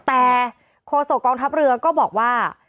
แต่โคศกองทัพเรือก็บอกว่า